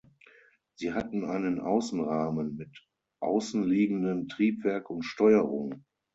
Sie hatten einen Außenrahmen mit außenliegenden Triebwerk und Steuerung.